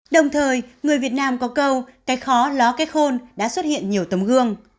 đồng thời người việt nam có câu cách khó ló cách khôn đã xuất hiện nhiều tấm gương